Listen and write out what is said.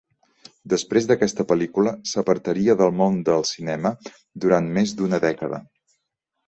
Després d'aquesta pel·lícula s'apartaria del món del cinema durant més d'una dècada.